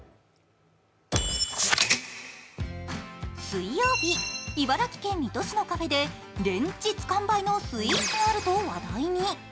水曜日、茨城県水戸市のカフェで連日完売のスイーツがあると話題に。